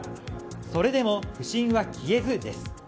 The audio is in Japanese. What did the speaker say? それでも不信は消えずです。